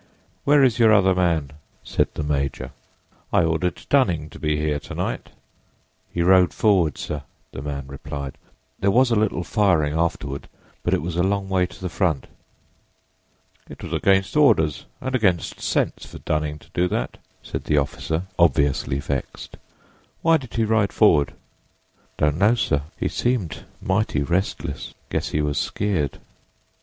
"Where is your other man?" said the major. "I ordered Dunning to be here to night." "He rode forward, sir," the man replied. "There was a little firing afterward, but it was a long way to the front." "It was against orders and against sense for Dunning to do that," said the officer, obviously vexed. "Why did he ride forward?" "Don't know, sir; he seemed mighty restless. Guess he was skeered."